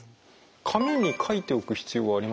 紙に書いておく必要はありますか？